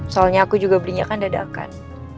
soalnya aku juga belinya kan dada akan